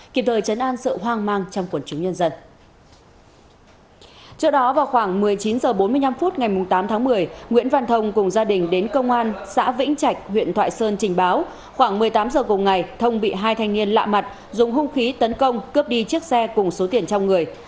khoảng một mươi tám h cùng ngày thông bị hai thanh niên lạ mặt dùng hung khí tấn công cướp đi chiếc xe cùng số tiền trong người